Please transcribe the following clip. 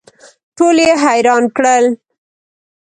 ټول یې حیران کړل.